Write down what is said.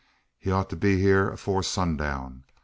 He oughter be hyur afore sundown.